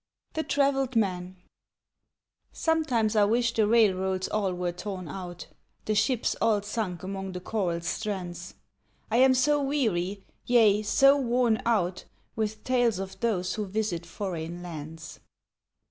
=The Traveled Man= Sometimes I wish the railroads all were torn out, The ships all sunk among the coral strands. I am so very weary, yea so worn out, With tales of those who visit foreign lands.